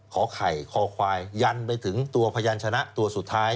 ไข่คอควายยันไปถึงตัวพยานชนะตัวสุดท้าย